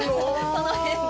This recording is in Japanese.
その辺の。